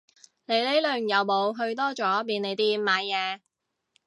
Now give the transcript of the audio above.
你呢輪有冇去多咗便利店買嘢